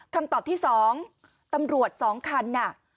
คำตอบที่๒ตำรวจ๒คันน่ะ